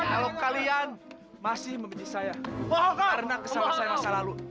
kalau kalian masih memilih saya karena kesalahan saya masa lalu